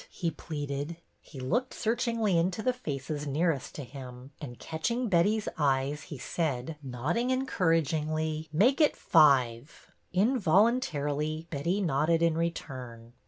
" he pleaded. He looked searchingly into the faces nearest to him, and catching Betty's eyes he said, nodding encouragingly, — Make it five." Involuntarily Betty nodded in return.